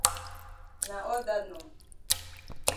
Na all dat nor.